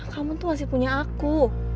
kamu tuh masih punya aku